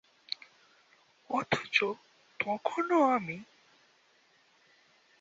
অথচো তখনো আমি................